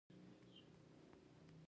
آمرین هم په دې اختلاف کې شامل وي.